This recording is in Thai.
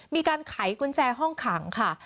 มีการไขกุญแจห้องขังค่ะ